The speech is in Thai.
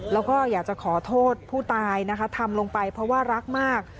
แล้วก็อยากจะขอโทษผู้ตายนะคะทำลงไปเพราะว่ารักมาก